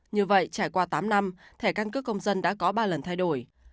như vậy trải qua tám năm thẻ căn cước công dân đã có ba lần thay đổi